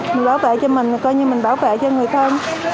mình bảo vệ cho mình coi như mình bảo vệ cho người con